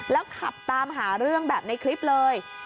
แล้วขับตามหาเรื่องแบบในคลิปเลย